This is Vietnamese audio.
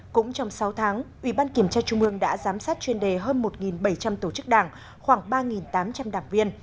cũng trong sáu tháng ubkt đã giám sát chuyên đề hơn một bảy trăm linh tổ chức đảng khoảng ba tám trăm linh đảng viên